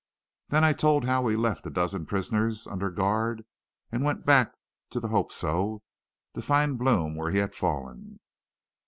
Then I told how we left a dozen prisoners under guard and went back to the Hope So to find Blome where he had fallen.